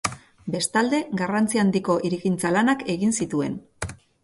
Bestalde, garrantzi handiko hirigintza-lanak egin zituen.